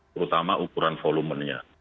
terutama ukuran volumenya